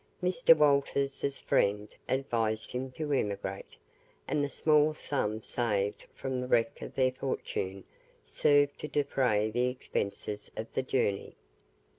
Mr. Walters' friends advised him to emigrate, and the small sum saved from the wreck of their fortune served to defray the expenses of the journey.